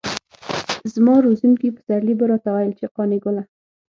زما روزونکي پسرلي به راته ويل چې قانع ګله.